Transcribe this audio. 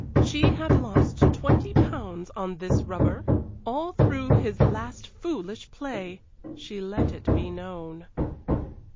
She had lost twenty pounds on this rubber, all through his last foolish play, she let it be known.